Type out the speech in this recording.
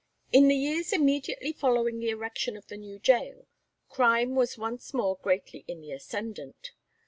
In the years immediately following the erection of the new gaol, crime was once more greatly in the ascendant.